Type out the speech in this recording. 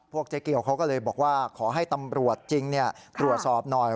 เจ๊เกียวเขาก็เลยบอกว่าขอให้ตำรวจจริงตรวจสอบหน่อย